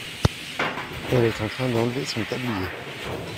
elle est en train d'enlever son tablier.